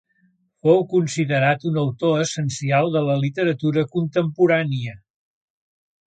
Fou considerat un autor essencial de la literatura contemporània.